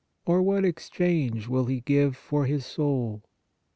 Or what exchange will he give for his soul?"